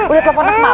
udah telepon akmal